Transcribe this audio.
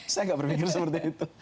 saya gak berpikir seperti itu